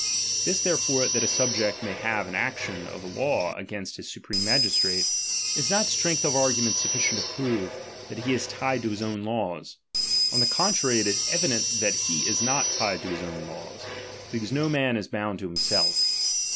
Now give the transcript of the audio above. This therefore, that a subject may have an action of law agaiust his supreme magistrate, is not strength of argu ment sufficient to prove, that he is tied to his own laws. On the contrary, it is evident that he is not tied to his own laws ; because uo man is bound to himself.